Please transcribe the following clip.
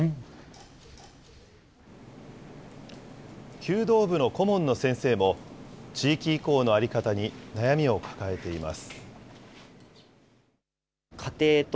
弓道部の顧問の先生も、地域移行の在り方に悩みを抱えています。